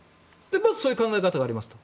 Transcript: そういう考え方がありますと。